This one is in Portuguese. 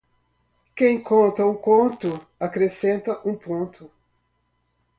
Quem conta um conto, acrescenta um ponto.